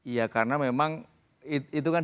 ya karena memang itu kan distribusi itu berada dalam satu hal